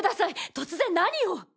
突然何を。